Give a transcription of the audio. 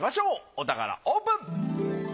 お宝オープン。